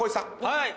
はい！